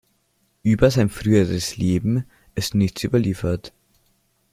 Über sein frühes Leben ist nichts überliefert.